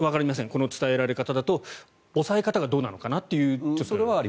この伝えられ方だと抑え方がどうだったのかと。